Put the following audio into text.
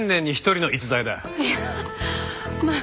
いやまあ